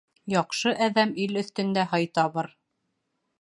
Яҡшы әҙәм ил өҫтөндә һый табыр